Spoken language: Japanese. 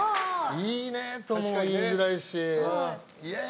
いいねとも言いづらいしイエーイ！